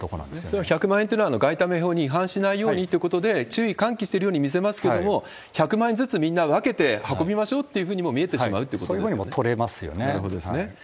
それは１００万円ってのは、外為法に違反しないようってことで、注意喚起してるように見せますけれども、１００万円ずつ、みんな分けて運びましょうっていうふうにも見えてしまうってことでそういうふうにも取れますよなるほどですね。